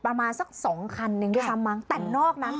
ประมาณสัก๒คันนึงด้วยซ้ำมั้งแต่นอกนั้น